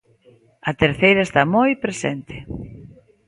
A terceira está moi presente.